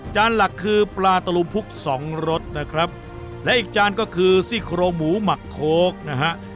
จานหลักคือปลาตะลุมพุก๒รสนะครับและอีกจานก็คือซีโคนมูหมะโคกนะฮะ